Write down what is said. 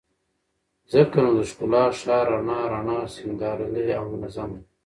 ځکه نو د ښکلا ښار رڼا رڼا، سينګارلى او منظم دى